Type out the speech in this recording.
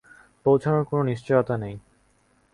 পৌঁছানোর কোনো নিশ্চয়তা নেই।